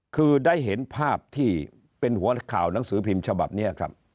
คือได้เห็นภาพที่เป็นหัวข่าวหนังสือพิมพ์ฉบับนี้ครับ